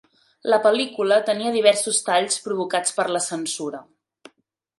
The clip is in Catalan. La pel·lícula tenia diversos talls provocats per la censura.